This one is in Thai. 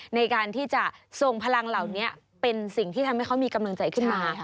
ในการที่จะส่งพลังเหล่านี้เป็นสิ่งที่ทำให้เขามีกำลังใจขึ้นมา